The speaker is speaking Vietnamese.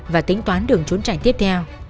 và tính toán đường trốn trảnh tiếp theo